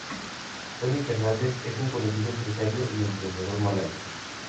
Tony Fernandes es un conocido empresario y emprendedor malayo.